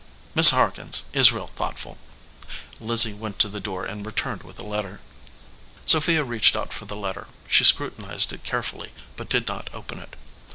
Mis Harkins is real thoughtful." Lizzie went to the door and returned with a letter. Sophia reached out for the letter. She scrutin ized it carefully, but did not open it.